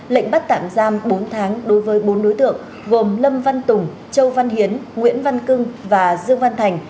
lệnh bắt tạm giam bốn tháng đối với bốn đối tượng gồm lâm văn tùng châu văn hiến nguyễn văn cưng và dương văn thành